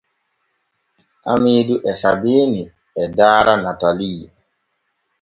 Haamiidu e Sabiini e daara Natalii.